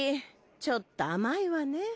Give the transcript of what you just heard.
ちょっと甘いわね。